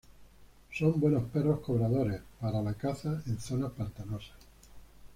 Son buenos perros cobradores para la caza en zonas pantanosas.